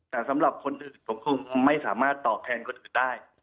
แต่สำหรับคนอื่นผมคงไม่สามารถตอบแทนคนอื่นได้